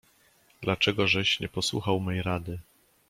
"Dla czegożeś nie posłuchał mej rady."